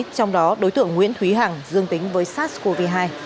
trong đó đối tượng nguyễn thúy hằng dương tính với sars cov hai